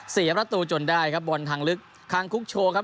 เสียประตูจนได้ครับบอลทางลึกคางคุกโชว์ครับ